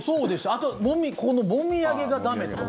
あと、このもみあげが駄目とか。